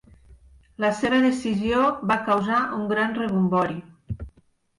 La seva decisió va causar un gran rebombori.